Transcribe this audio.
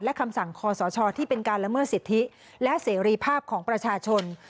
และคำสั่งคอสชที่เป็นการละเมิดสิทธิและเสรีภาพของประชาชน